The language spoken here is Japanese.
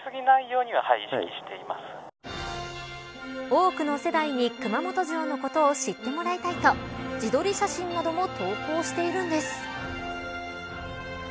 多くの世代に熊本城のことを知ってもらいたいと自撮り写真なども投稿しているんです。